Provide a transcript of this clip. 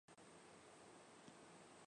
可见此曲之广泛。